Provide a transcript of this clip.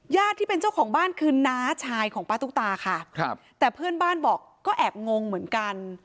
ที่เป็นเจ้าของบ้านคือน้าชายของป้าตุ๊กตาค่ะครับแต่เพื่อนบ้านบอกก็แอบงงเหมือนกัน